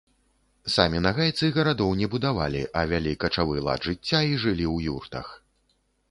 Самі нагайцы гарадоў не будавалі, а вялі качавы лад жыцця і жылі ў юртах.